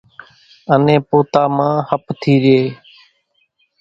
انين پوتا مان ۿپ ٿي رئي،